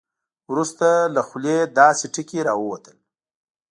وروسته له خولې داسې ټکي راووتل.